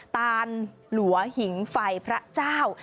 ตานหลัวหิงไฟพระเจ้า